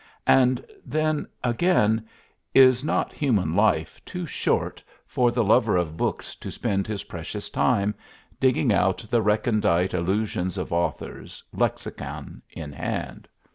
And then, again, is not human life too short for the lover of books to spend his precious time digging out the recondite allusions of authors, lexicon in hand?